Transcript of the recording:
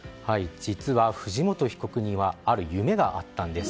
実は藤本被告にはある夢があったんです。